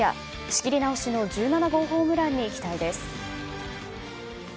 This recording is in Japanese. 仕切り直しの１７号ホームランに期待です。